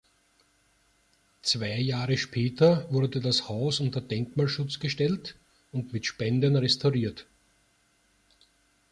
Zwei Jahre später wurde das Haus unter Denkmalschutz gestellt, und mit Spenden restauriert.